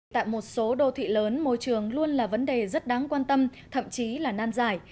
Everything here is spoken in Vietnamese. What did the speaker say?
tại một số đô thị lớn môi trường luôn là vấn đề rất đáng quan tâm thậm chí là nan giải